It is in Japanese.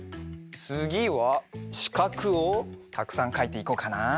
つぎはしかくをたくさんかいていこうかな。